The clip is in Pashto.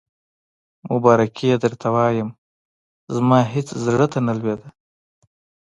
مبارکي یې درته وایم، زما هېڅ زړه ته نه لوېده.